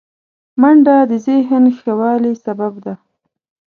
منډه د ذهن ښه والي سبب ده